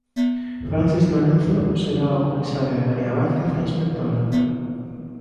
Francis Lorenzo será o comisario e María Vázquez a inspectora.